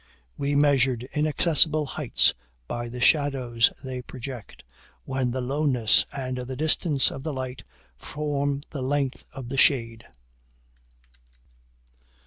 We measure inaccessible heights by the shadows they project, when the lowness and the distance of the light form the length of the shade.